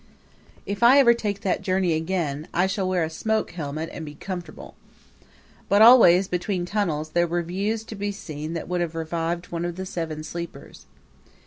If I ever take that journey again I shall wear a smoke helmet and be comfortable. But always between tunnels there were views to be seen that would have revived one of the Seven Sleepers.